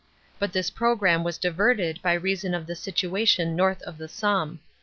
But this programme was diverted by reason of the situation north of the Somme.